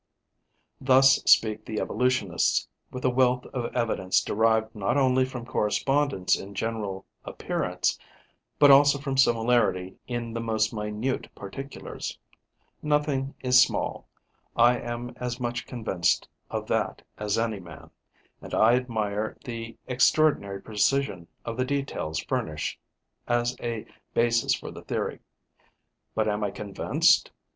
Thus speak the evolutionists, with a wealth of evidence derived not only from correspondence in general appearance, but also from similarity in the most minute particulars. Nothing is small: I am as much convinced of that as any man; and I admire the extraordinary precision of the details furnished as a basis for the theory. But am I convinced?